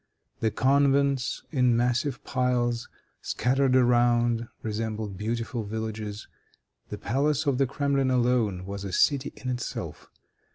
The convents, in massive piles, scattered around, resembled beautiful villages. The palace of the Kremlin alone, was a city in itself.